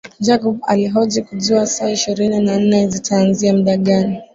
Jacob alihoji kujua saa ishirini na nne zitaanzia muda gani